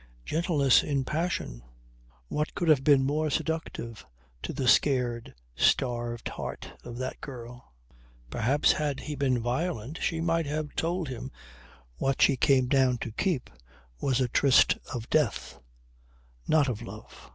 Gentleness in passion! What could have been more seductive to the scared, starved heart of that girl? Perhaps had he been violent, she might have told him that what she came down to keep was the tryst of death not of love.